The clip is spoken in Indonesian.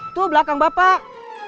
itu belakang bapak